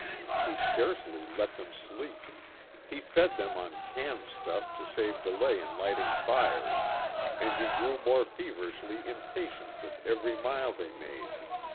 He scarcely let them sleep; he fed them on canned stuff to save delay in lighting fires, and he grew more feverishly impatient with every mile they made.